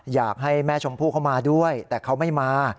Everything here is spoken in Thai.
อยากให้แม่ชมพู่เข้ามาด้วยแต่เขาไม่มา